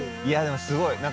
いやでもすごい。